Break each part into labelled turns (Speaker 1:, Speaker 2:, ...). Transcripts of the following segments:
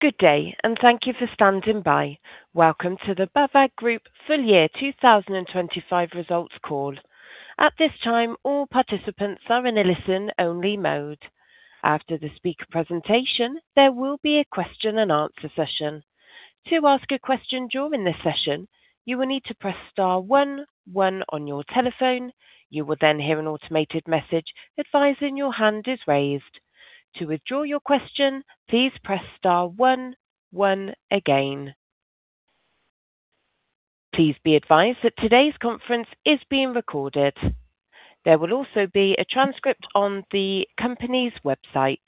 Speaker 1: Good day, and thank you for standing by. Welcome to the BAWAG Group full year 2025 results call. At this time, all participants are in a listen-only mode. After the speaker presentation, there will be a question-and-answer session. To ask a question during this session, you will need to press star one one on your telephone. You will then hear an automated message advising your hand is raised. To withdraw your question, please press star one one again. Please be advised that today's conference is being recorded. There will also be a transcript on the company's website.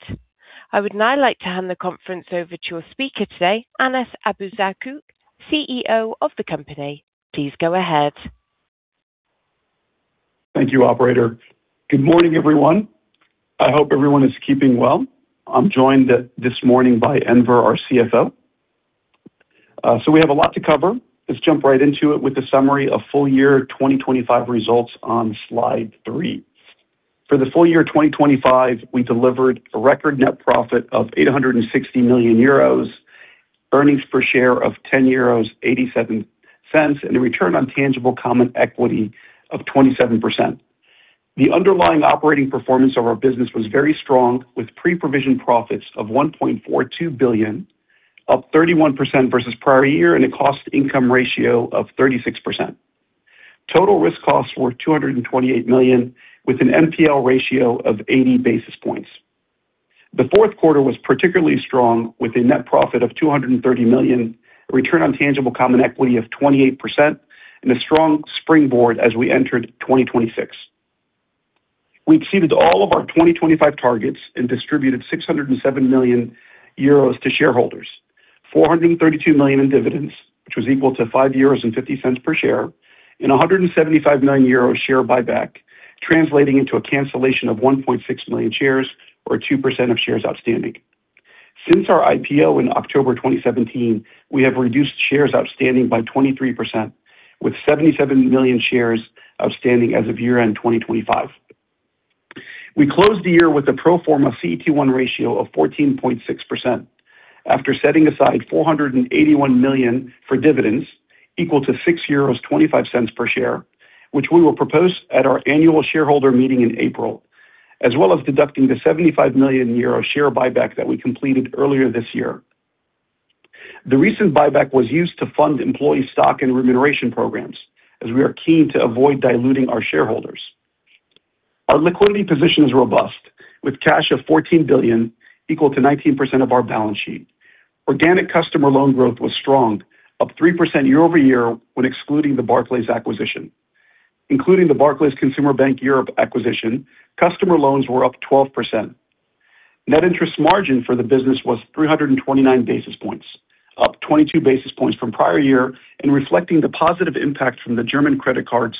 Speaker 1: I would now like to hand the conference over to your speaker today, Anas Abuzaakouk, CEO of the company. Please go ahead.
Speaker 2: Thank you, operator. Good morning, everyone. I hope everyone is keeping well. I'm joined this morning by Enver, our CFO. So we have a lot to cover. Let's jump right into it with a summary of full year 2025 results on slide 3. For the full year 2025, we delivered a record net profit of 860 million euros, earnings per share of 10.87 euros, and a return on tangible common equity of 27%. The underlying operating performance of our business was very strong, with pre-provision profits of 1.42 billion, up 31% versus prior year, and a cost income ratio of 36%. Total risk costs were 228 million, with an NPL ratio of 80 basis points. The fourth quarter was particularly strong, with a net profit of 230 million, a return on tangible common equity of 28%, and a strong springboard as we entered 2026. We exceeded all of our 2025 targets and distributed 607 million euros to shareholders. 432 million in dividends, which was equal to 5.50 euros per share, and a 175 million euros share buyback, translating into a cancellation of 1.6 million shares or 2% of shares outstanding. Since our IPO in October 2017, we have reduced shares outstanding by 23%, with 77 million shares outstanding as of year-end 2025. We closed the year with a pro forma CET1 ratio of 14.6%. After setting aside 481 million for dividends, equal to 6.25 euros per share, which we will propose at our annual shareholder meeting in April, as well as deducting the 75 million euro share buyback that we completed earlier this year. The recent buyback was used to fund employee stock and remuneration programs, as we are keen to avoid diluting our shareholders. Our liquidity position is robust, with cash of 14 billion, equal to 19% of our balance sheet. Organic customer loan growth was strong, up 3% year-over-year when excluding the Barclays acquisition. Including the Barclays Consumer Bank Europe acquisition, customer loans were up 12%. Net interest margin for the business was 329 basis points, up 22 basis points from prior year, and reflecting the positive impact from the German credit cards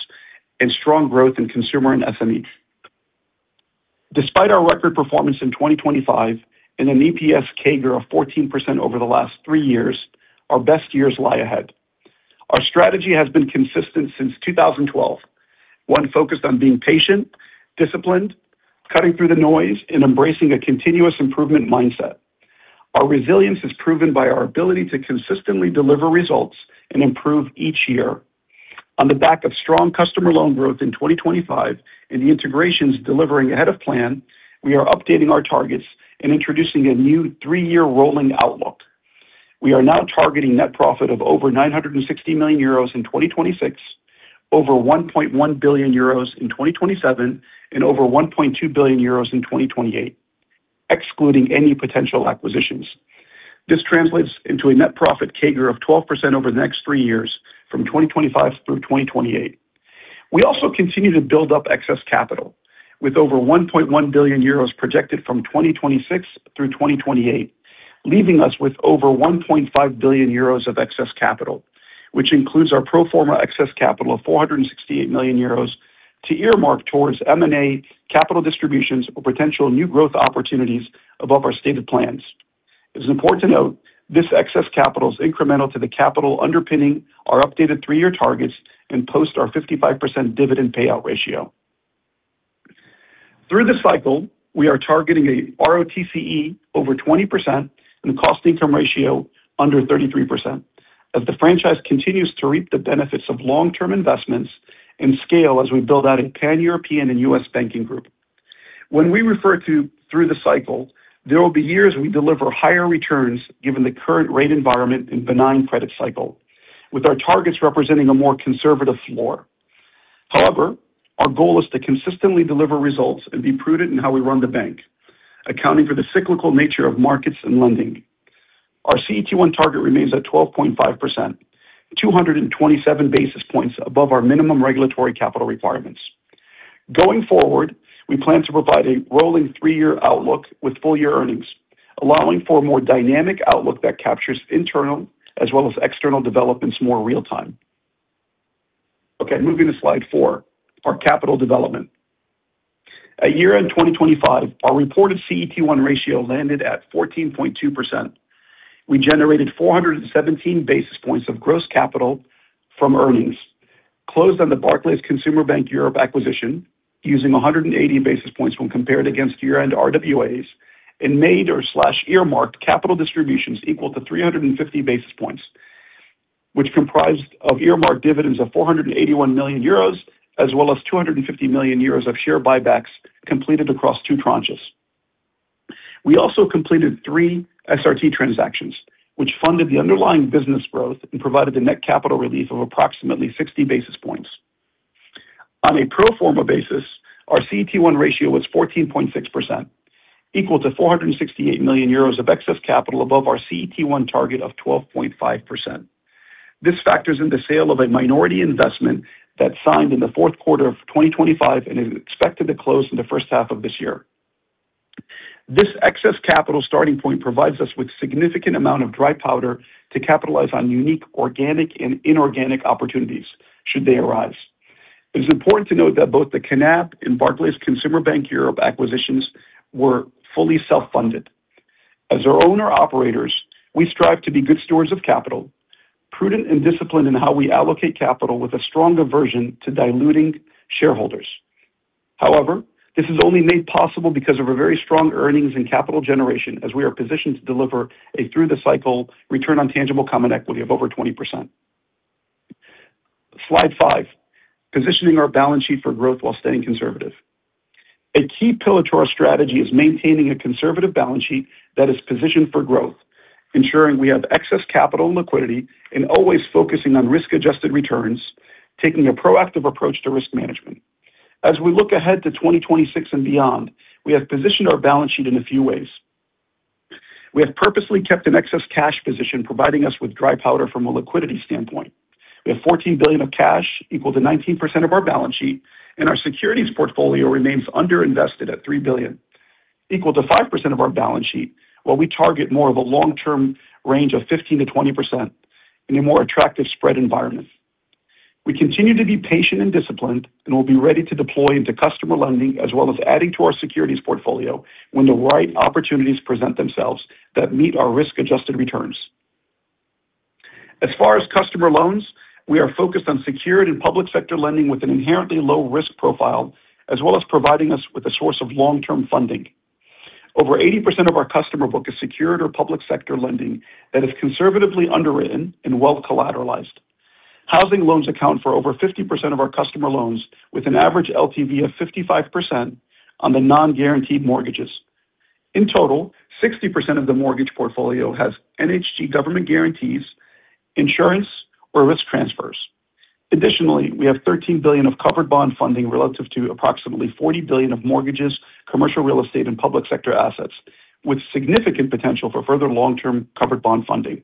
Speaker 2: and strong growth in consumer and SME. Despite our record performance in 2025 and an EPS CAGR of 14% over the last three years, our best years lie ahead. Our strategy has been consistent since 2012. One focused on being patient, disciplined, cutting through the noise, and embracing a continuous improvement mindset. Our resilience is proven by our ability to consistently deliver results and improve each year. On the back of strong customer loan growth in 2025 and the integrations delivering ahead of plan, we are updating our targets and introducing a new three-year rolling outlook. We are now targeting net profit of over 960 million euros in 2026, over 1.1 billion euros in 2027, and over 1.2 billion euros in 2028, excluding any potential acquisitions. This translates into a net profit CAGR of 12% over the next three years, from 2025 through 2028. We also continue to build up excess capital, with over 1.1 billion euros projected from 2026 through 2028, leaving us with over 1.5 billion euros of excess capital, which includes our pro forma excess capital of 468 million euros to earmark towards M&A, capital distributions or potential new growth opportunities above our stated plans. It is important to note this excess capital is incremental to the capital underpinning our updated three-year targets and post our 55% dividend payout ratio. Through the cycle, we are targeting a ROTCE over 20% and cost income ratio under 33%, as the franchise continues to reap the benefits of long-term investments and scale as we build out a pan-European and U.S. banking group. When we refer to through the cycle, there will be years we deliver higher returns given the current rate environment and benign credit cycle, with our targets representing a more conservative floor. However, our goal is to consistently deliver results and be prudent in how we run the bank, accounting for the cyclical nature of markets and lending. Our CET1 target remains at 12.5%, 227 basis points above our minimum regulatory capital requirements. Going forward, we plan to provide a rolling three-year outlook with full-year earnings, allowing for a more dynamic outlook that captures internal as well as external developments more real time. Okay, moving to slide 4, our capital development. At year-end 2025, our reported CET1 ratio landed at 14.2%. We generated 417 basis points of gross capital from earnings, closed on the Barclays Consumer Bank Europe acquisition, using 180 basis points when compared against year-end RWAs, and made or earmarked capital distributions equal to 350 basis points, which comprised of earmarked dividends of 481 million euros, as well as 250 million euros of share buybacks completed across two tranches. We also completed three SRT transactions, which funded the underlying business growth and provided a net capital relief of approximately 60 basis points. On a pro forma basis, our CET1 ratio was 14.6%, equal to 468 million euros of excess capital above our CET1 target of 12.5%. This factors in the sale of a minority investment that signed in the fourth quarter of 2025 and is expected to close in the first half of this year. This excess capital starting point provides us with significant amount of dry powder to capitalize on unique, organic and inorganic opportunities should they arise. It is important to note that both the Knab and Barclays Consumer Bank Europe acquisitions were fully self-funded. As our owner-operators, we strive to be good stewards of capital, prudent and disciplined in how we allocate capital with a strong aversion to diluting shareholders. However, this is only made possible because of a very strong earnings and capital generation, as we are positioned to deliver a through-the-cycle return on tangible common equity of over 20%. Slide 5, positioning our balance sheet for growth while staying conservative. A key pillar to our strategy is maintaining a conservative balance sheet that is positioned for growth, ensuring we have excess capital and liquidity, and always focusing on risk-adjusted returns, taking a proactive approach to risk management. As we look ahead to 2026 and beyond, we have positioned our balance sheet in a few ways. We have purposely kept an excess cash position, providing us with dry powder from a liquidity standpoint. We have 14 billion of cash, equal to 19% of our balance sheet, and our securities portfolio remains underinvested at 3 billion, equal to 5% of our balance sheet, while we target more of a long-term range of 15%-20% in a more attractive spread environment. We continue to be patient and disciplined, and we'll be ready to deploy into customer lending as well as adding to our securities portfolio when the right opportunities present themselves that meet our risk-adjusted returns. As far as customer loans, we are focused on secured and public sector lending with an inherently low risk profile, as well as providing us with a source of long-term funding. Over 80% of our customer book is secured or public sector lending that is conservatively underwritten and well collateralized. Housing loans account for over 50% of our customer loans, with an average LTV of 55% on the non-guaranteed mortgages. In total, 60% of the mortgage portfolio has NHG government guarantees, insurance, or risk transfers. Additionally, we have 13 billion of covered bond funding relative to approximately 40 billion of mortgages, commercial real estate, and public sector assets, with significant potential for further long-term covered bond funding.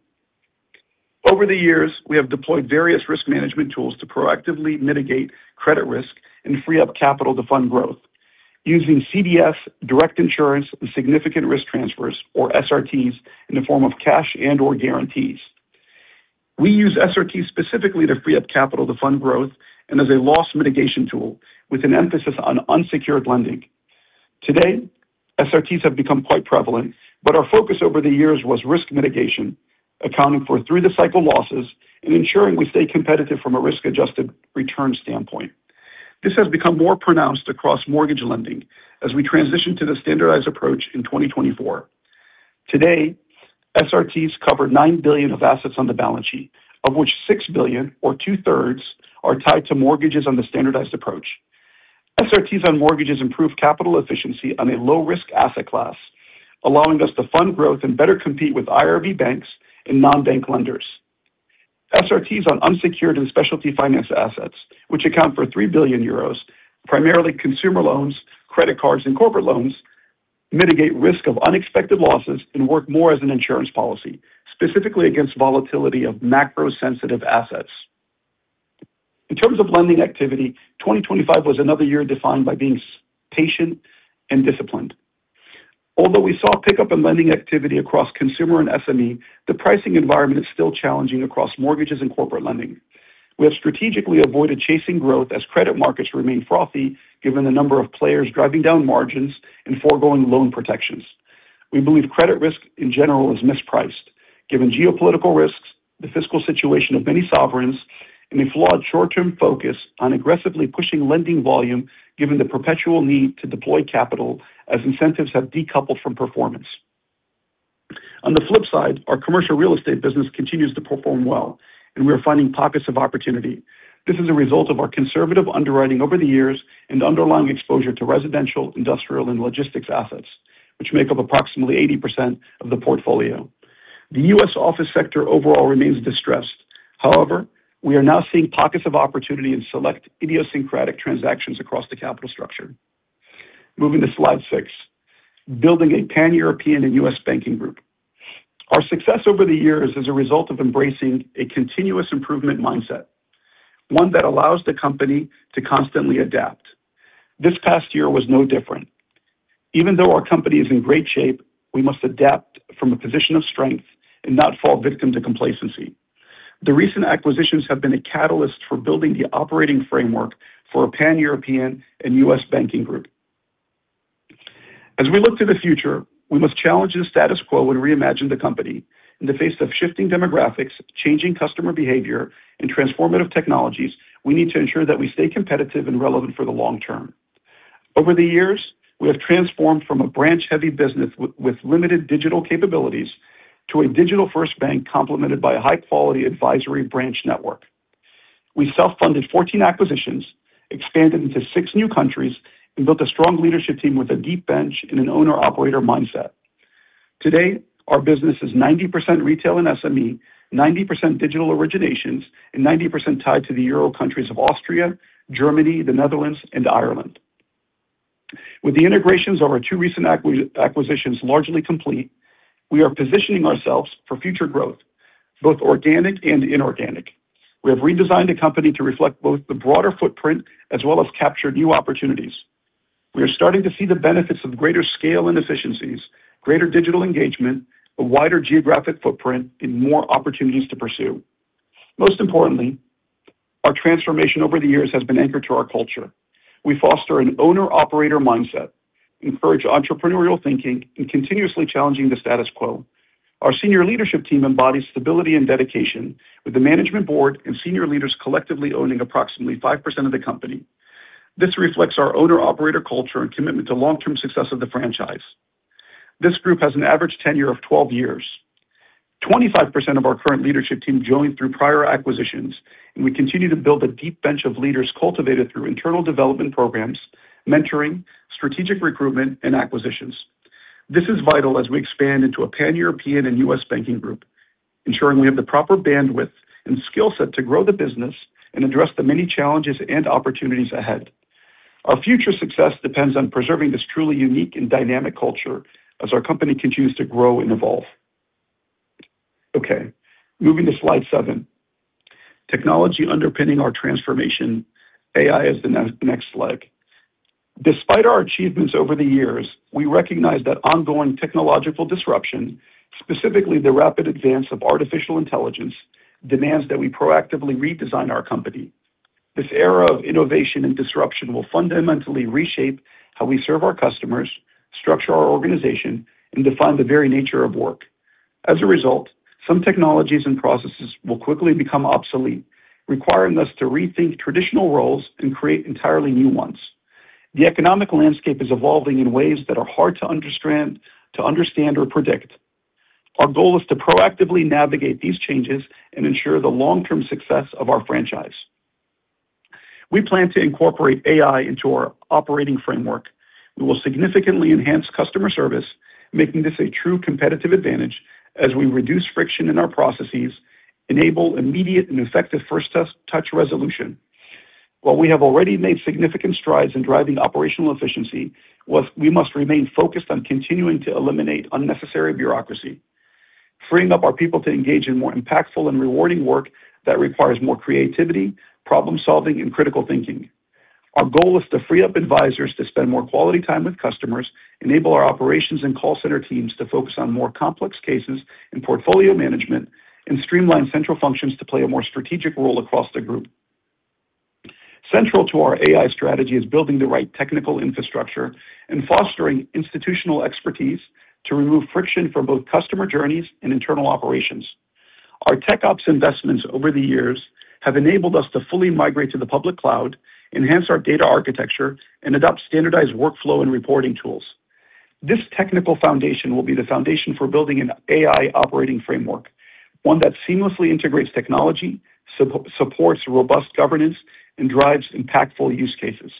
Speaker 2: Over the years, we have deployed various risk management tools to proactively mitigate credit risk and free up capital to fund growth using CDS, direct insurance, and significant risk transfers, or SRTs, in the form of cash and/or guarantees. We use SRTs specifically to free up capital to fund growth and as a loss mitigation tool, with an emphasis on unsecured lending. Today, SRTs have become quite prevalent, but our focus over the years was risk mitigation, accounting for through-the-cycle losses and ensuring we stay competitive from a risk-adjusted return standpoint. This has become more pronounced across mortgage lending as we transition to the standardized approach in 2024. Today, SRTs cover 9 billion of assets on the balance sheet, of which 6 billion, or 2/3, are tied to mortgages on the standardized approach. SRTs on mortgages improve capital efficiency on a low-risk asset class, allowing us to fund growth and better compete with IRB banks and non-bank lenders. SRTs on unsecured and specialty finance assets, which account for 3 billion euros, primarily consumer loans, credit cards, and corporate loans, mitigate risk of unexpected losses and work more as an insurance policy, specifically against volatility of macro-sensitive assets. In terms of lending activity, 2025 was another year defined by being patient and disciplined. Although we saw a pickup in lending activity across consumer and SME, the pricing environment is still challenging across mortgages and corporate lending. We have strategically avoided chasing growth as credit markets remain frothy, given the number of players driving down margins and forgoing loan protections. We believe credit risk in general is mispriced, given geopolitical risks, the fiscal situation of many sovereigns, and a flawed short-term focus on aggressively pushing lending volume, given the perpetual need to deploy capital as incentives have decoupled from performance. On the flip side, our commercial real estate business continues to perform well, and we are finding pockets of opportunity. This is a result of our conservative underwriting over the years and underlying exposure to residential, industrial, and logistics assets, which make up approximately 80% of the portfolio. The U.S. office sector overall remains distressed. However, we are now seeing pockets of opportunity in select idiosyncratic transactions across the capital structure. Moving to slide 6, building a pan-European and U.S. banking group. Our success over the years is a result of embracing a continuous improvement mindset, one that allows the company to constantly adapt. This past year was no different. Even though our company is in great shape, we must adapt from a position of strength and not fall victim to complacency. The recent acquisitions have been a catalyst for building the operating framework for a pan-European and U.S. banking group. As we look to the future, we must challenge the status quo and reimagine the company. In the face of shifting demographics, changing customer behavior, and transformative technologies, we need to ensure that we stay competitive and relevant for the long term. Over the years, we have transformed from a branch-heavy business with limited digital capabilities to a digital-first bank complemented by a high-quality advisory branch network. We self-funded 14 acquisitions, expanded into six new countries, and built a strong leadership team with a deep bench and an owner-operator mindset. Today, our business is 90% Retail & SME, 90% digital originations, and 90% tied to the Euro countries of Austria, Germany, the Netherlands, and Ireland. With the integrations of our two recent acquisitions largely complete, we are positioning ourselves for future growth, both organic and inorganic. We have redesigned the company to reflect both the broader footprint as well as capture new opportunities. We are starting to see the benefits of greater scale and efficiencies, greater digital engagement, a wider geographic footprint, and more opportunities to pursue. Most importantly, our transformation over the years has been anchored to our culture. We foster an owner-operator mindset, encourage entrepreneurial thinking, and continuously challenging the status quo. Our senior leadership team embodies stability and dedication, with the management board and senior leaders collectively owning approximately 5% of the company. This reflects our owner-operator culture and commitment to long-term success of the franchise. This group has an average tenure of 12 years. Twenty-five of our current leadership team joined through prior acquisitions, and we continue to build a deep bench of leaders cultivated through internal development programs, mentoring, strategic recruitment, and acquisitions. This is vital as we expand into a pan-European and U.S. banking group, ensuring we have the proper bandwidth and skill set to grow the business and address the many challenges and opportunities ahead. Our future success depends on preserving this truly unique and dynamic culture as our company continues to grow and evolve. Okay, moving to slide seven. Technology underpinning our transformation. AI is the next leg. Despite our achievements over the years, we recognize that ongoing technological disruption, specifically the rapid advance of artificial intelligence, demands that we proactively redesign our company. This era of innovation and disruption will fundamentally reshape how we serve our customers, structure our organization, and define the very nature of work. As a result, some technologies and processes will quickly become obsolete, requiring us to rethink traditional roles and create entirely new ones. The economic landscape is evolving in ways that are hard to understand or predict. Our goal is to proactively navigate these changes and ensure the long-term success of our franchise. We plan to incorporate AI into our operating framework. We will significantly enhance customer service, making this a true competitive advantage as we reduce friction in our processes, enable immediate and effective first touch resolution. While we have already made significant strides in driving operational efficiency, we must remain focused on continuing to eliminate unnecessary bureaucracy, freeing up our people to engage in more impactful and rewarding work that requires more creativity, problem-solving, and critical thinking. Our goal is to free up advisors to spend more quality time with customers, enable our operations and call center teams to focus on more complex cases and portfolio management, and streamline central functions to play a more strategic role across the group. Central to our AI strategy is building the right technical infrastructure and fostering institutional expertise to remove friction from both customer journeys and internal operations. Our TechOps investments over the years have enabled us to fully migrate to the public cloud, enhance our data architecture, and adopt standardized workflow and reporting tools. This technical foundation will be the foundation for building an AI operating framework, one that seamlessly integrates technology, supports robust governance, and drives impactful use cases.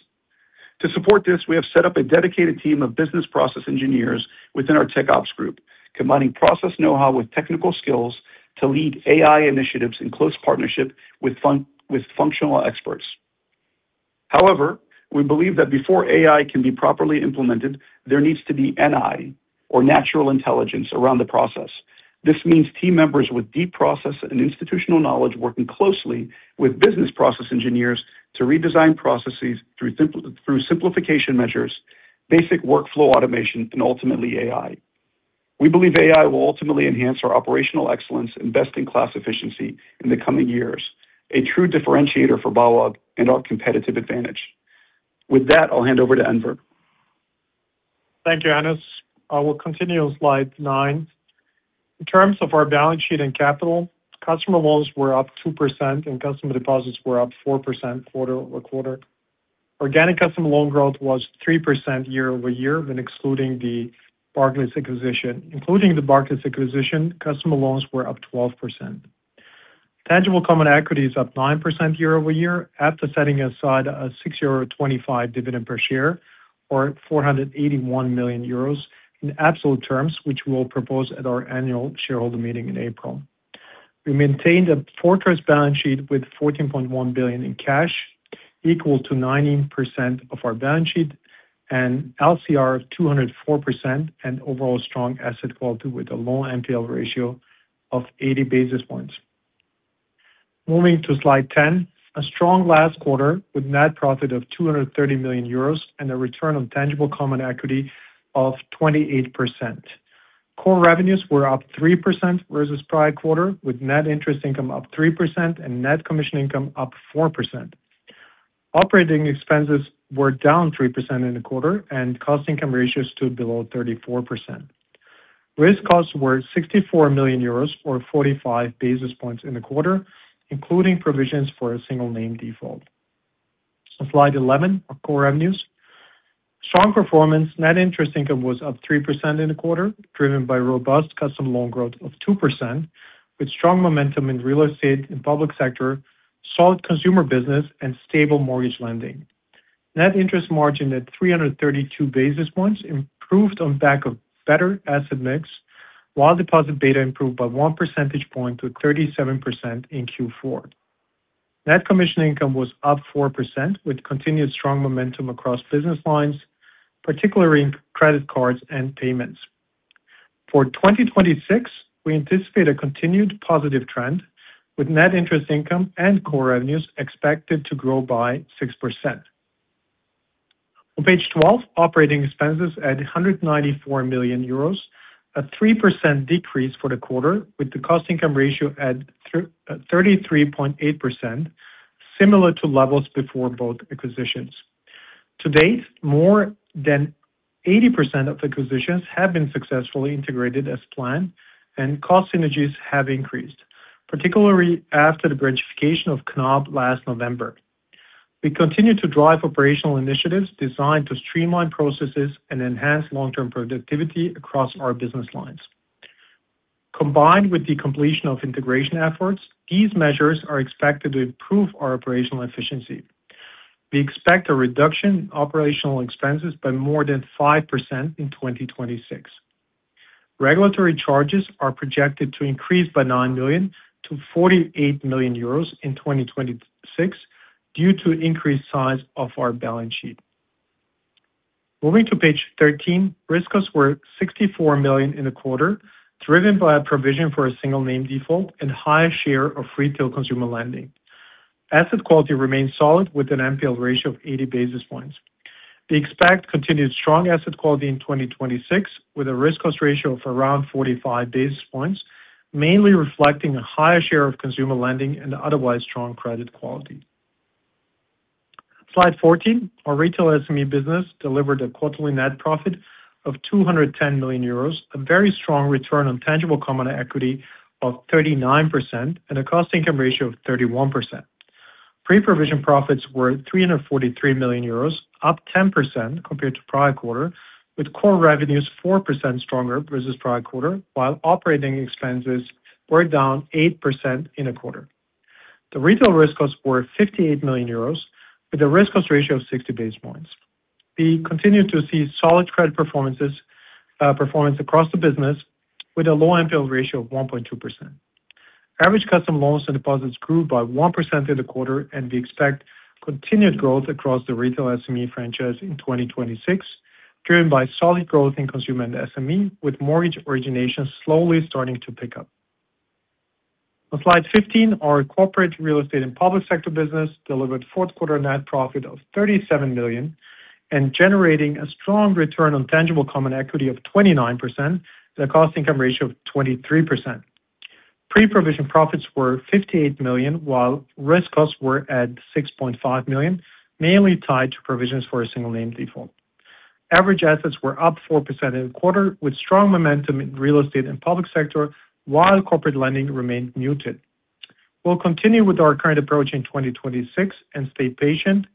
Speaker 2: To support this, we have set up a dedicated team of business process engineers within our TechOps group, combining process know-how with technical skills to lead AI initiatives in close partnership with functional experts. However, we believe that before AI can be properly implemented, there needs to be NI, or natural intelligence, around the process. This means team members with deep process and institutional knowledge working closely with business process engineers to redesign processes through simplification measures, basic workflow automation, and ultimately AI. We believe AI will ultimately enhance our operational excellence and best-in-class efficiency in the coming years, a true differentiator for BAWAG and our competitive advantage. With that, I'll hand over to Enver.
Speaker 3: Thank you, Anas. I will continue on slide 9. In terms of our balance sheet and capital, customer loans were up 2% and customer deposits were up 4% quarter-over-quarter. Organic customer loan growth was 3% year-over-year when excluding the Barclays acquisition. Including the Barclays acquisition, customer loans were up 12%. Tangible common equity is up 9% year-over-year, after setting aside a 6.25 dividend per share, or 481 million euros in absolute terms, which we'll propose at our annual shareholder meeting in April. We maintained a fortress balance sheet with 14.1 billion in cash, equal to 19% of our balance sheet, and LCR of 204%, and overall strong asset quality with a low NPL ratio of 80 basis points. Moving to slide 10, a strong last quarter with net profit of 230 million euros and a return on tangible common equity of 28%. Core revenues were up 3% versus prior quarter, with net interest income up 3% and net commission income up 4%. Operating expenses were down 3% in the quarter, and cost income ratio stood below 34%. Risk costs were 64 million euros, or 45 basis points in the quarter, including provisions for a single-name default. On slide 11, our core revenues. Strong performance, net interest income was up 3% in the quarter, driven by robust customer loan growth of 2%, with strong momentum in real estate and public sector, solid consumer business, and stable mortgage lending. Net interest margin at 332 basis points, improved on back of better asset mix, while deposit beta improved by 1 percentage point to 37% in Q4. Net commission income was up 4%, with continued strong momentum across business lines, particularly in credit cards and payments. For 2026, we anticipate a continued positive trend, with net interest income and core revenues expected to grow by 6%. On page 12, operating expenses at 194 million euros, a 3% decrease for the quarter, with the cost income ratio at 33.8%, similar to levels before both acquisitions. To date, more than 80% of acquisitions have been successfully integrated as planned, and cost synergies have increased, particularly after the branchification of Knab last November. We continue to drive operational initiatives designed to streamline processes and enhance long-term productivity across our business lines. Combined with the completion of integration efforts, these measures are expected to improve our operational efficiency. We expect a reduction in operational expenses by more than 5% in 2026. Regulatory charges are projected to increase by 9 million-48 million euros in 2026 due to increased size of our balance sheet. Moving to page 13, risk costs were 64 million in the quarter, driven by a provision for a single-name default and higher share of retail consumer lending. Asset quality remains solid, with an NPL ratio of 80 basis points. We expect continued strong asset quality in 2026, with a risk cost ratio of around 45 basis points, mainly reflecting a higher share of consumer lending and otherwise strong credit quality. Slide 14, our Retail & SME business delivered a quarterly net profit of 210 million euros, a very strong return on tangible common equity of 39% and a cost income ratio of 31%. Pre-provision profits were 343 million euros, up 10% compared to prior quarter, with core revenues 4% stronger versus prior quarter, while operating expenses were down 8% in a quarter. The retail risk costs were 58 million euros, with a risk cost ratio of 60 basis points. We continue to see solid credit performances, performance across the business, with a low NPL ratio of 1.2%. Average customer loans and deposits grew by 1% in the quarter, and we expect continued growth across the Retail & SME franchise in 2026, driven by solid growth in consumer and SME, with mortgage origination slowly starting to pick up. On slide 15, our Corporates, Real Estate, & Public Sector business delivered fourth quarter net profit of 37 million and generating a strong return on tangible common equity of 29% and a cost income ratio of 23%. Pre-provision profits were 58 million, while risk costs were at 6.5 million, mainly tied to provisions for a single-name default. Average assets were up 4% in the quarter, with strong momentum in real estate and public sector, while corporate lending remained muted. We'll continue with our current approach in 2026 and stay patient,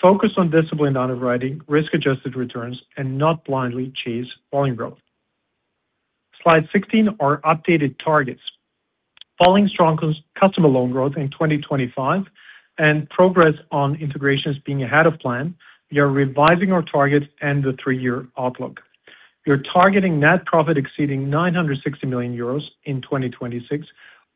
Speaker 3: focused on disciplined underwriting, risk-adjusted returns, and not blindly chase volume growth. Slide 16, our updated targets. Following strong customer loan growth in 2025 and progress on integrations being ahead of plan, we are revising our targets and the three-year outlook. We are targeting net profit exceeding 960 million euros in 2026,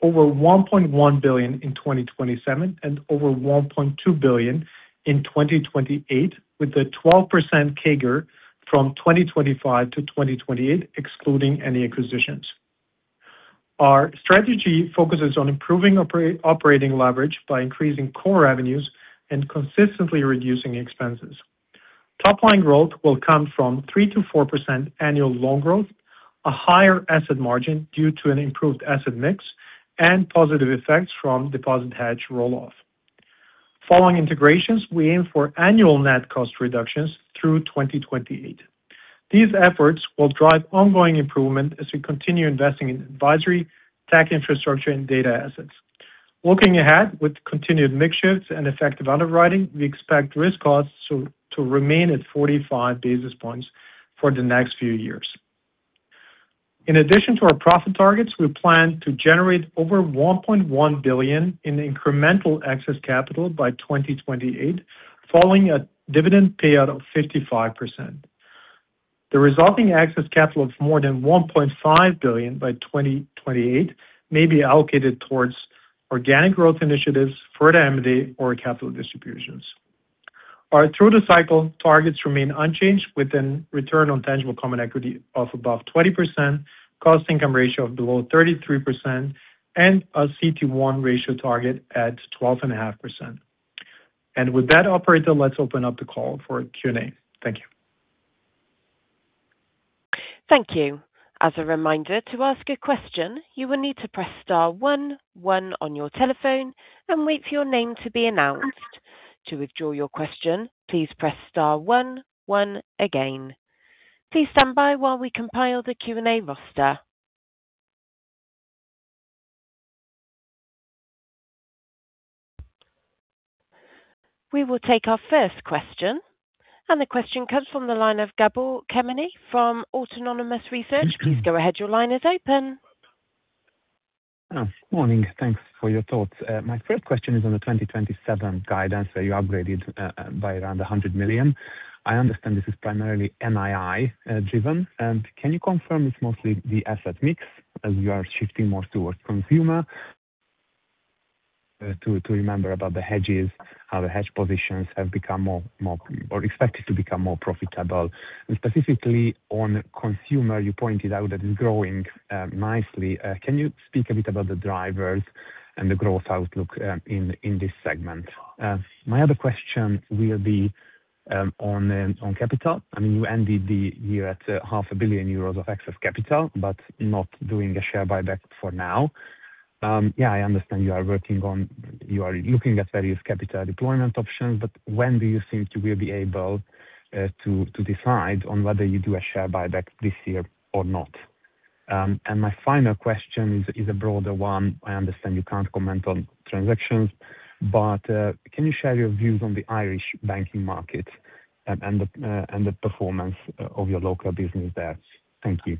Speaker 3: over 1.1 billion in 2027, and over 1.2 billion in 2028, with a 12% CAGR from 2025 to 2028, excluding any acquisitions. Our strategy focuses on improving operating leverage by increasing core revenues and consistently reducing expenses. Top-line growth will come from 3%-4% annual loan growth, a higher asset margin due to an improved asset mix, and positive effects from deposit hedge roll-off. Following integrations, we aim for annual net cost reductions through 2028. These efforts will drive ongoing improvement as we continue investing in advisory, tech infrastructure, and data assets. Looking ahead, with continued mix shifts and effective underwriting, we expect risk costs to remain at 45 basis points for the next few years. In addition to our profit targets, we plan to generate over 1.1 billion in incremental excess capital by 2028, following a dividend payout of 55%. The resulting excess capital of more than 1.5 billion by 2028 may be allocated towards organic growth initiatives, further M&A, or capital distributions. Our through-the-cycle targets remain unchanged, with a return on tangible common equity of above 20%, cost income ratio of below 33%, and a CET1 ratio target at 12.5%. And with that, operator, let's open up the call for Q&A. Thank you.
Speaker 1: Thank you. As a reminder, to ask a question, you will need to press star one one on your telephone and wait for your name to be announced. To withdraw your question, please press star one one again. Please stand by while we compile the Q&A roster. We will take our first question, and the question comes from the line of Gabor Kemeny from Autonomous Research. Please go ahead. Your line is open.
Speaker 4: Morning. Thanks for your thoughts. My first question is on the 2027 guidance, where you upgraded by around 100 million. I understand this is primarily NII-driven, and can you confirm it's mostly the asset mix, as you are shifting more towards consumer? To remember about the hedges, how the hedge positions have become more or expected to become more profitable. And specifically on consumer, you pointed out that it's growing nicely. Can you speak a bit about the drivers and the growth outlook in this segment? My other question will be on capital. I mean, you ended the year at 500 million euros of excess capital, but not doing a share buyback for now. Yeah, I understand you are looking at various capital deployment options, but when do you think you will be able to decide on whether you do a share buyback this year or not? My final question is a broader one. I understand you can't comment on transactions, but can you share your views on the Irish banking market and the performance of your local business there? Thank you.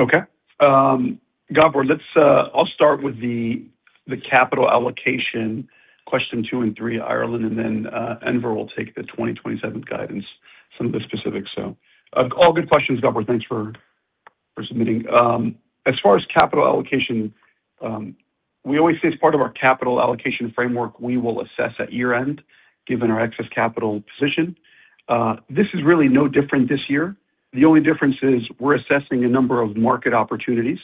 Speaker 2: Okay. Gabor, let's, I'll start with the, the capital allocation, question two and three, Ireland, and then, Enver will take the 2027 guidance, some of the specifics. So, all good questions, Gabor. Thanks for submitting. As far as capital allocation, we always say it's part of our capital allocation framework we will assess at year-end, given our excess capital position. This is really no different this year. The only difference is we're assessing a number of market opportunities,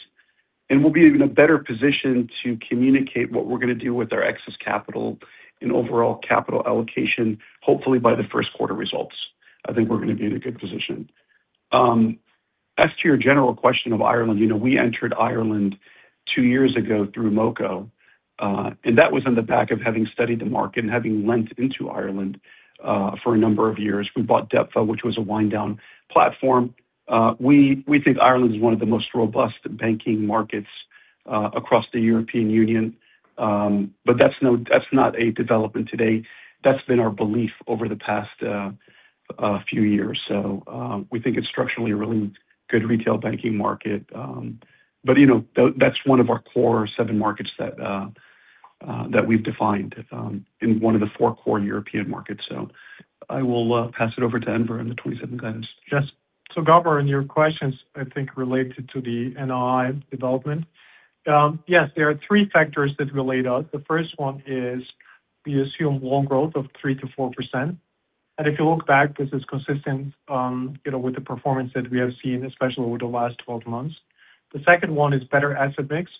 Speaker 2: and we'll be in a better position to communicate what we're gonna do with our excess capital and overall capital allocation, hopefully by the first quarter results. I think we're gonna be in a good position. As to your general question of Ireland, you know, we entered Ireland two years ago through MoCo, and that was on the back of having studied the market and having lent into Ireland, for a number of years. We bought DEPFA, which was a wind down platform. We think Ireland is one of the most robust banking markets, across the European Union. But that's no—that's not a development today. That's been our belief over the past few years. So, we think it's structurally a really good retail banking market. But you know, that, that's one of our core seven markets that we've defined, in one of the four core European markets. So I will pass it over to Enver in the 2027 guidance.
Speaker 3: Yes. So Gabor, and your questions, I think, related to the NII development. Yes, there are three factors that relate out. The first one is we assume loan growth of 3%-4%. And if you look back, this is consistent, you know, with the performance that we have seen, especially over the last 12 months. The second one is better asset mix.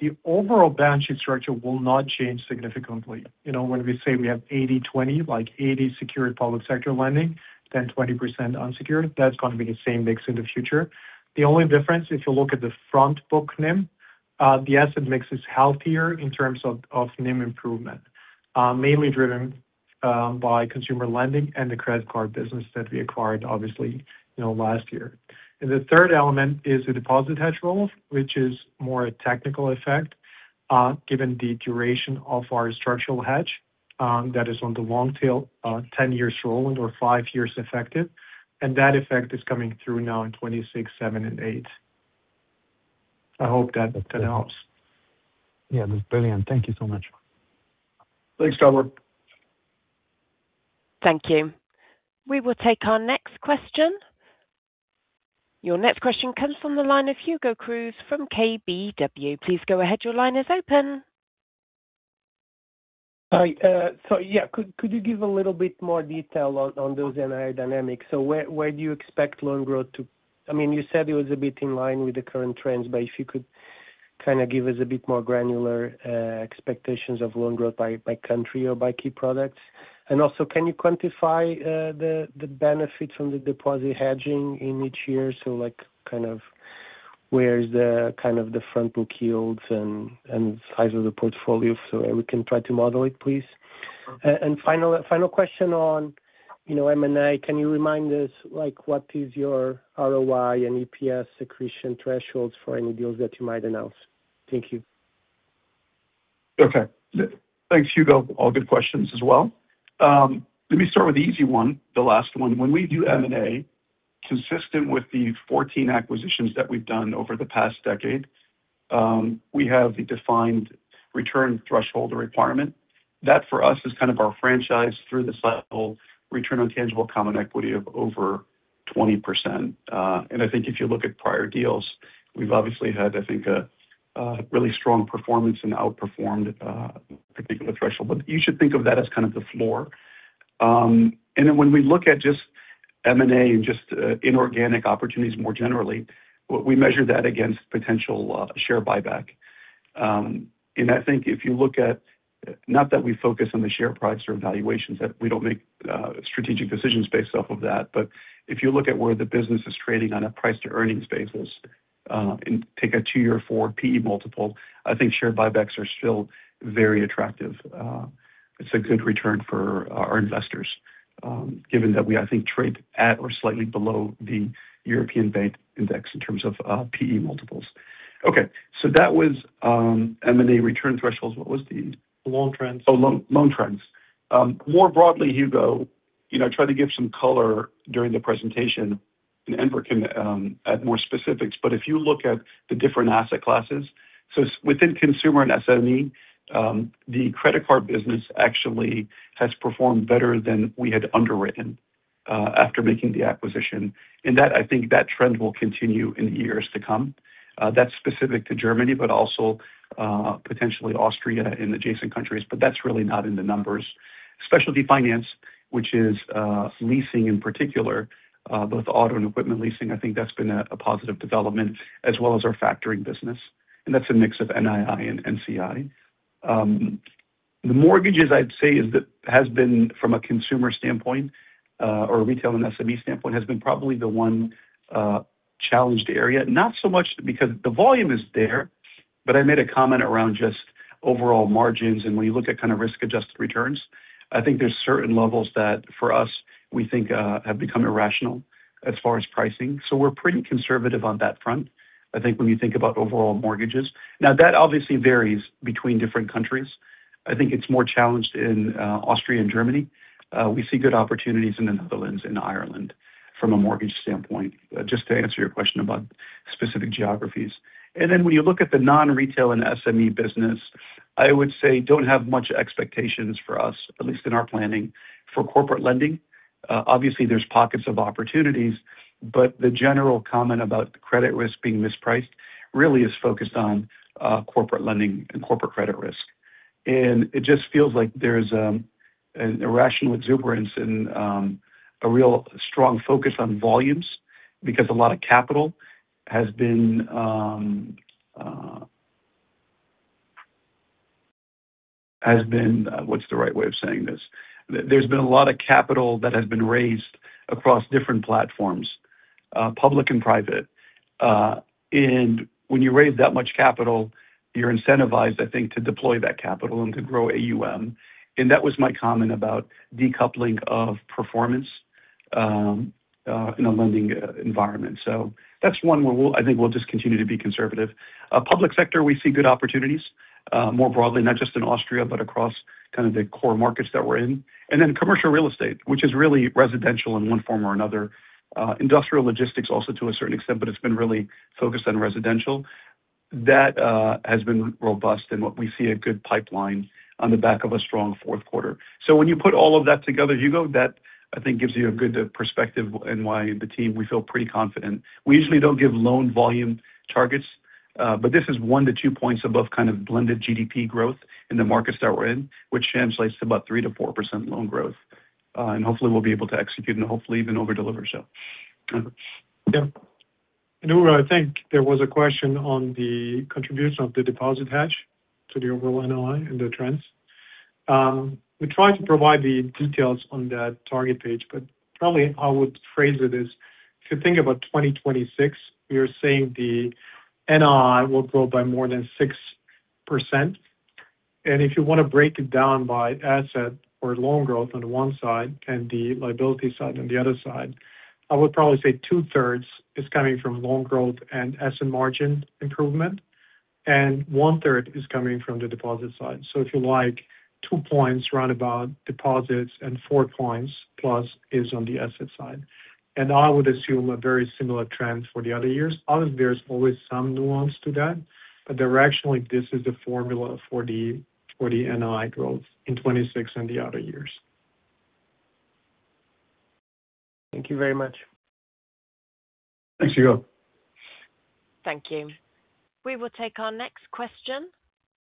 Speaker 3: The overall balance sheet structure will not change significantly. You know, when we say we have 80/20, like 80% secured public sector lending, then 20% unsecured, that's gonna be the same mix in the future. The only difference, if you look at the front book NIM, the asset mix is healthier in terms of, of NIM improvement. Mainly driven by consumer lending and the credit card business that we acquired, obviously, you know, last year. And the third element is the deposit hedge rolls, which is more a technical effect, given the duration of our structural hedge that is on the long tail, 10 years rolling or five years effective. That effect is coming through now in 2026, 2027, and 2028. I hope that helps.
Speaker 4: Yeah, that's brilliant. Thank you so much.
Speaker 2: Thanks, Gabor.
Speaker 1: Thank you. We will take our next question. Your next question comes from the line of Hugo Cruz from KBW. Please go ahead. Your line is open.
Speaker 5: Hi, so yeah, could you give a little bit more detail on those NII dynamics? So where do you expect loan growth to—I mean, you said it was a bit in line with the current trends, but if you could kind of give us a bit more granular expectations of loan growth by country or by key products. And also, can you quantify the benefits from the deposit hedging in each year? So like, kind of where is the front book yields and size of the portfolio so we can try to model it, please? And final question on, you know, M&A. Can you remind us, like, what is your ROI and EPS accretion thresholds for any deals that you might announce? Thank you.
Speaker 2: Okay. Thanks, Hugo. All good questions as well. Let me start with the easy one, the last one. When we do M&A, consistent with the 14 acquisitions that we've done over the past decade, we have a defined return threshold requirement. That, for us, is kind of our franchise through the cycle, return on tangible common equity of over 20%. And I think if you look at prior deals, we've obviously had, I think, a really strong performance and outperformed particular threshold. But you should think of that as kind of the floor. And then when we look at just M&A and just inorganic opportunities more generally, we measure that against potential share buyback. I think if you look at, not that we focus on the share price or valuations, that we don't make strategic decisions based off of that. But if you look at where the business is trading on a price-to-earnings basis, and take a two-year forward P/E multiple, I think share buybacks are still very attractive. It's a good return for our investors, given that we, I think, trade at or slightly below the European Bank Index in terms of P/E multiples. Okay, so that was M&A return thresholds. What was the?
Speaker 3: Loan trends.
Speaker 2: Oh, loan trends. More broadly, Hugo, you know, I tried to give some color during the presentation, and Enver can add more specifics, but if you look at the different asset classes, so within consumer and SME, the credit card business actually has performed better than we had underwritten after making the acquisition. And that, I think that trend will continue in the years to come. That's specific to Germany, but also potentially Austria and adjacent countries, but that's really not in the numbers. Specialty finance, which is leasing in particular, both auto and equipment leasing, I think that's been a positive development, as well as our factoring business, and that's a mix of NII and NCI. The mortgages, I'd say, has been from a consumer standpoint, or Retail & SME standpoint, has been probably the one challenged area. Not so much because the volume is there, but I made a comment around just overall margins. When you look at kind of risk-adjusted returns, I think there's certain levels that, for us, we think, have become irrational as far as pricing. We're pretty conservative on that front, I think when you think about overall mortgages. Now, that obviously varies between different countries. I think it's more challenged in Austria and Germany. We see good opportunities in the Netherlands and Ireland from a mortgage standpoint, just to answer your question about specific geographies. And then when you look at the non-Retail & SME business, I would say don't have much expectations for us, at least in our planning. For corporate lending, obviously there's pockets of opportunities, but the general comment about credit risk being mispriced really is focused on corporate lending and corporate credit risk. And it just feels like there's an irrational exuberance and a real strong focus on volumes, because a lot of capital has been raised across different platforms, public and private. And when you raise that much capital, you're incentivized, I think, to deploy that capital and to grow AUM, and that was my comment about decoupling of performance in a lending environment. So that's one where we'll, I think we'll just continue to be conservative. Public sector, we see good opportunities, more broadly, not just in Austria, but across kind of the core markets that we're in. And then commercial real estate, which is really residential in one form or another, industrial logistics also to a certain extent, but it's been really focused on residential. That has been robust, and what we see a good pipeline on the back of a strong fourth quarter. So when you put all of that together, Hugo, that I think gives you a good perspective on why the team, we feel pretty confident. We usually don't give loan volume targets, but this is 1-2 points above kind of blended GDP growth in the markets that we're in, which translates to about 3%-4% loan growth. Hopefully we'll be able to execute and hopefully even over-deliver, so.
Speaker 3: Yeah. I think there was a question on the contribution of the deposit hedge to the overall NII and the trends. We tried to provide the details on that target page, but probably I would phrase it as, if you think about 2026, we are saying the NII will grow by more than 6%. And if you want to break it down by asset or loan growth on the one side and the liability side on the other side, I would probably say 2/3 is coming from loan growth and asset margin improvement, and one-third is coming from the deposit side. So if you like, 2% round about deposits and 4%+ is on the asset side. And I would assume a very similar trend for the other years. Obviously, there's always some nuance to that, but directionally, this is the formula for the NII growth in 2026 and the other years.
Speaker 5: Thank you very much.
Speaker 2: Thanks, Hugo.
Speaker 1: Thank you. We will take our next question.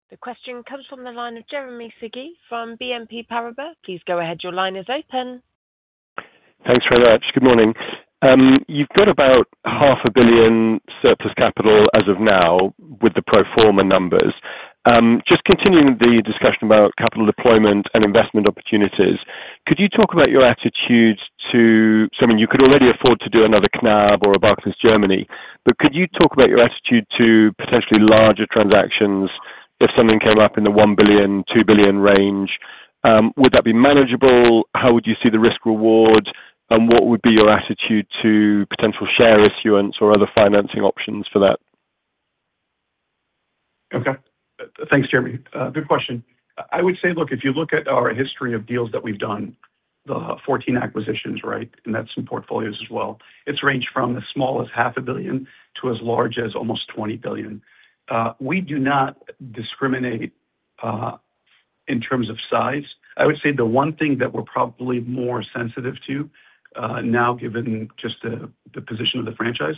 Speaker 1: The question comes from the line of Jeremy Sigee from BNP Paribas. Please go ahead, your line is open.
Speaker 6: Thanks very much. Good morning. You've got about 500 million surplus capital as of now with the pro forma numbers. Just continuing the discussion about capital deployment and investment opportunities, could you talk about your attitude to something you could already afford to do another Knab or a Barclays Germany, but could you talk about your attitude to potentially larger transactions if something came up in the 1 billion-2 billion range? Would that be manageable? How would you see the risk reward, and what would be your attitude to potential share issuance or other financing options for that?
Speaker 2: Okay. Thanks, Jeremy. Good question. I would say, look, if you look at our history of deals that we've done, the 14 acquisitions, right? And that's in portfolios as well. It's ranged from as small as 500 million to as large as almost 20 billion. We do not discriminate in terms of size. I would say the one thing that we're probably more sensitive to now, given just the position of the franchise,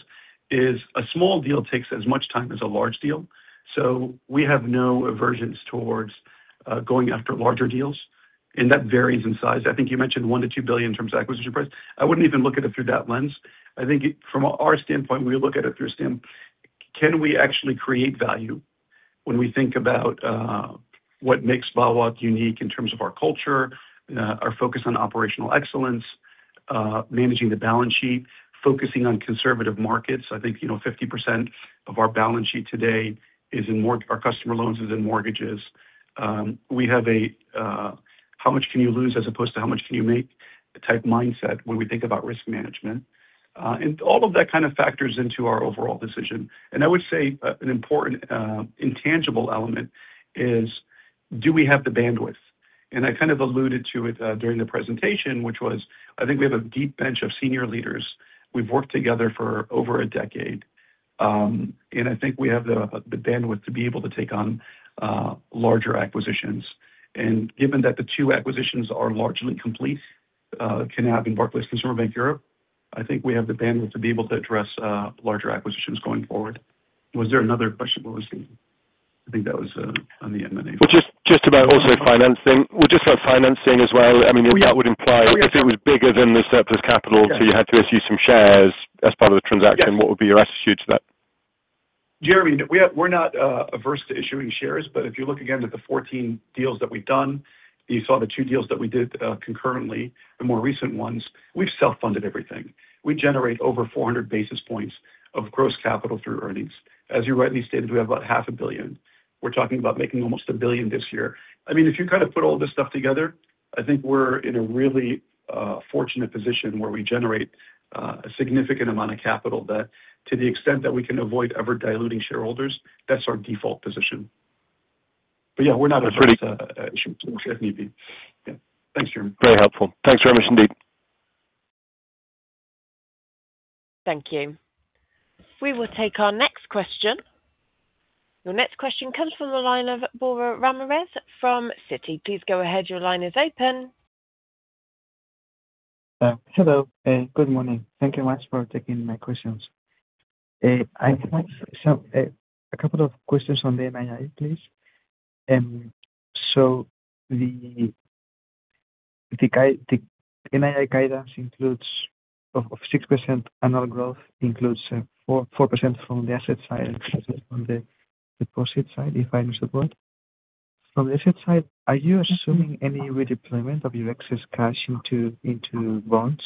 Speaker 2: is a small deal takes as much time as a large deal, so we have no aversions towards going after larger deals, and that varies in size. I think you mentioned 1 billion-2 billion in terms of acquisition price. I wouldn't even look at it through that lens. I think it, from our standpoint, we look at it through a stand—can we actually create value when we think about, what makes BAWAG unique in terms of our culture, our focus on operational excellence, managing the balance sheet, focusing on conservative markets? I think, you know, 50% of our balance sheet today is in our customer loans is in mortgages. We have a, how much can you lose as opposed to how much can you make type mindset when we think about risk management. And all of that kind of factors into our overall decision. And I would say, an important, intangible element is, do we have the bandwidth? And I kind of alluded to it, during the presentation, which was, I think we have a deep bench of senior leaders. We've worked together for over a decade, and I think we have the bandwidth to be able to take on larger acquisitions. And given that the two acquisitions are largely complete, Knab and Barclays Consumer Bank Europe, I think we have the bandwidth to be able to address larger acquisitions going forward. Was there another question? I think that was on the M&A.
Speaker 6: Well, just about also financing. Well, just about financing as well. I mean, that would imply if it was bigger than the surplus capital so you had to issue some shares as part of the transaction. What would be your attitude to that?
Speaker 2: Jeremy, we have, we're not averse to issuing shares, but if you look again at the 14 deals that we've done, you saw the two deals that we did concurrently, the more recent ones. We've self-funded everything. We generate over 400 basis points of gross capital through earnings. As you rightly stated, we have about 500 million. We're talking about making almost 1 billion this year. I mean, if you kind of put all this stuff together, I think we're in a really fortunate position where we generate a significant amount of capital that to the extent that we can avoid ever diluting shareholders, that's our default position. But yeah, we're not against issuing if need be. Yeah. Thanks, Jeremy.
Speaker 6: Very helpful. Thanks very much indeed.
Speaker 1: Thank you. We will take our next question. The next question comes from the line of Borja Ramirez, from Citi. Please go ahead. Your line is open.
Speaker 7: Hello, good morning. Thank you much for taking my questions. I have some, a couple of questions on the NII, please. So the NII guidance includes of 6% annual growth, includes 4% from the asset side, 2% on the deposit side, if I understand. From the asset side, are you assuming any redeployment of your excess cash into bonds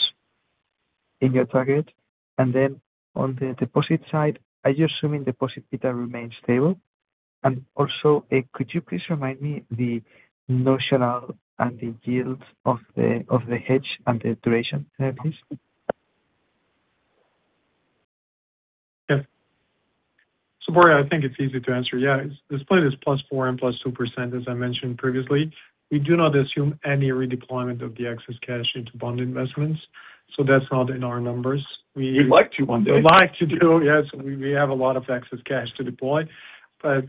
Speaker 7: in your target? And then on the deposit side, are you assuming deposit beta remains stable? And also, could you please remind me the notional and the yields of the hedge and the duration, please?
Speaker 3: Yeah. So Borja, I think it's easy to answer. Yeah, the split is +4% and +2%, as I mentioned previously. We do not assume any redeployment of the excess cash into bond investments, so that's not in our numbers. We—
Speaker 2: We'd like to, one day.
Speaker 3: We'd like to do, yes, we have a lot of excess cash to deploy, but,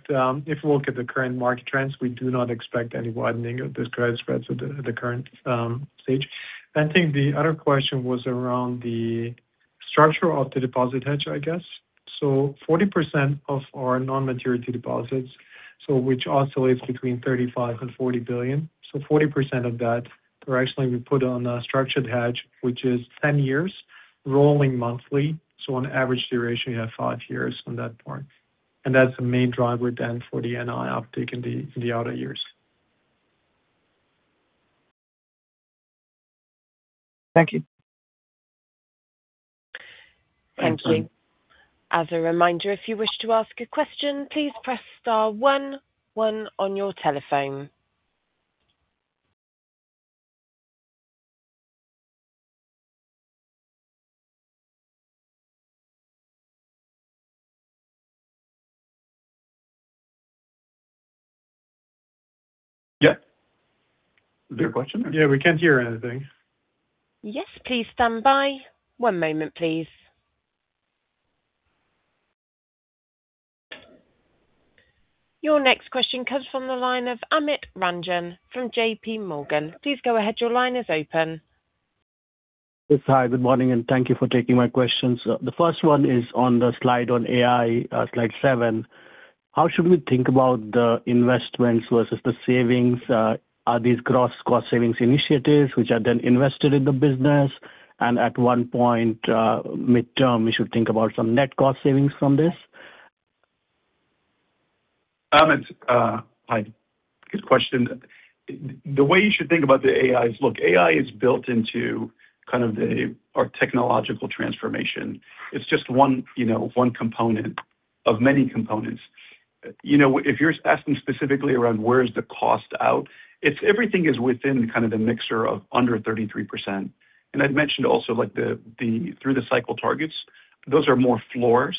Speaker 3: if you look at the current market trends, we do not expect any widening of the credit spreads at the current stage. I think the other question was around the structure of the deposit hedge, I guess. So 40% of our non-maturity deposits, so which oscillates between 35 billion and 40 billion, so 40% of that are actually we put on a structured hedge, which is 10 years rolling monthly. So on average duration, you have five years from that point, and that's the main driver then for the NII uptick in the outer years.
Speaker 7: Thank you.
Speaker 1: Thank you. As a reminder, if you wish to ask a question, please press star one one on your telephone.
Speaker 2: Yeah. Is there a question or?
Speaker 3: Yeah, we can't hear anything.
Speaker 1: Yes, please stand by. One moment, please. Your next question comes from the line of Amit Ranjan from JPMorgan. Please go ahead. Your line is open.
Speaker 8: Yes, hi, good morning, and thank you for taking my questions. The first one is on the slide on AI, slide seven. How should we think about the investments versus the savings? Are these gross cost savings initiatives which are then invested in the business, and at one point, midterm, we should think about some net cost savings from this?
Speaker 2: Amit, hi. Good question. The way you should think about the AI is, look, AI is built into kind of our technological transformation. It's just one, you know, one component of many components. You know, if you're asking specifically around where is the cost out? It's everything is within kind of the mixture of under 33%. And I'd mentioned also like the through-the-cycle targets, those are more floors,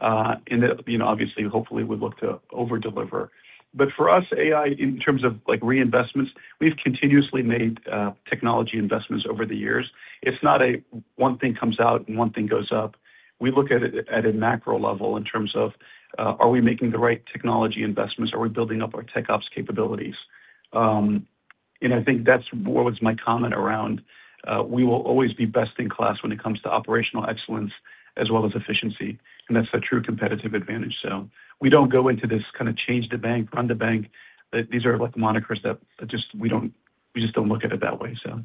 Speaker 2: and, you know, obviously, we'd look to over-deliver. But for us, AI, in terms of like reinvestments, we've continuously made technology investments over the years. It's not a one thing comes out and one thing goes up. We look at it at a macro level in terms of, are we making the right technology investments? Are we building up our tech ops capabilities? And I think that's what was my comment around, we will always be best in class when it comes to operational excellence as well as efficiency, and that's a true competitive advantage. So we don't go into this kind of change the bank, run the bank. These are like monikers that just we don't, we just don't look at it that way, so.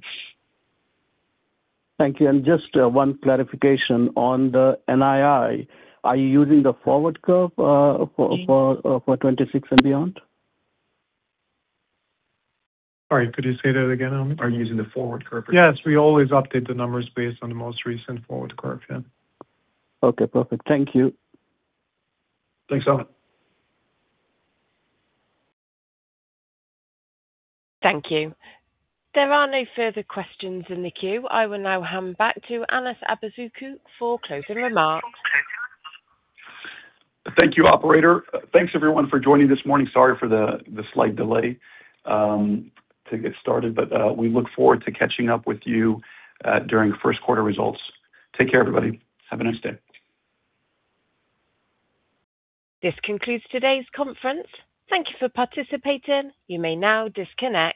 Speaker 8: Thank you. Just one clarification on the NII. Are you using the forward curve for 2026 and beyond?
Speaker 3: Sorry, could you say that again, Amit?
Speaker 2: Are you using the forward curve?
Speaker 3: Yes, we always update the numbers based on the most recent forward curve. Yeah.
Speaker 8: Okay, perfect. Thank you.
Speaker 2: Thanks, Amit.
Speaker 1: Thank you. There are no further questions in the queue. I will now hand back to Anas Abuzaakouk for closing remarks.
Speaker 2: Thank you, operator. Thanks, everyone, for joining this morning. Sorry for the slight delay to get started, but we look forward to catching up with you during first quarter results. Take care, everybody. Have a nice day.
Speaker 1: This concludes today's conference. Thank you for participating. You may now disconnect.